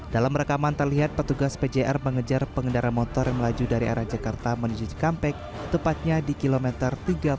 dalam rekaman terlihat petugas pjr mengejar pengendara motor yang melaju dari arah jakarta menuju cikampek tepatnya di kilometer tiga puluh